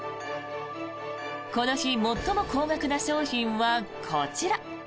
この日最も高額な商品はこちら。